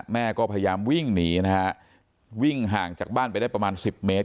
แม่ก็พยายามวิ่งหนีนะฮะวิ่งห่างจากบ้านไปได้ประมาณ๑๐เมตร